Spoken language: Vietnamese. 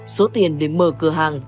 số tiền để mở cửa hàng